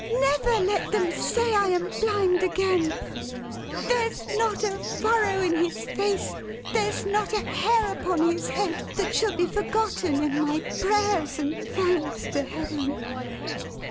Never let them say I am blind again. There's not a furrow in his face, there's not a hair upon his head, that shall be forgotten in my prayers and thanks to Heaven!"